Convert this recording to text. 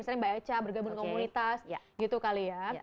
misalnya mbak echa bergabung komunitas gitu kali ya